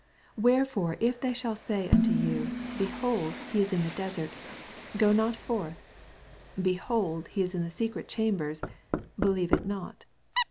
26 Wherefore if they shsJl say unto you, Behold, he is in the desert; go not forth : behold, heia in. the secret chambers ; believe it not.